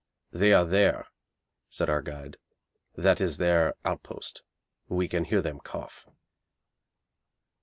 'They are there,' said our guide. 'That is their outpost. We can hear them cough.'